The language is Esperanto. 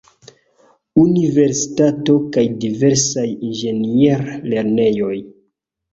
Universitato kaj diversaj inĝenier-lernejoj.